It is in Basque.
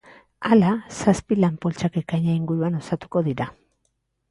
Hala, zazpi lan-poltsak ekaina inguruan osatuko dira.